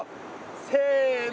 せの。